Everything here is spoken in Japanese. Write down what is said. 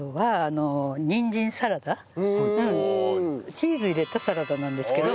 チーズ入れたサラダなんですけど。